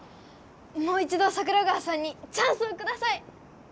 もう一ど桜川さんにチャンスをください！